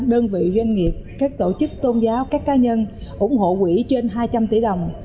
đơn vị doanh nghiệp các tổ chức tôn giáo các cá nhân ủng hộ quỹ trên hai trăm linh tỷ đồng